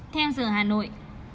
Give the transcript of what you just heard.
theo giờ hà nội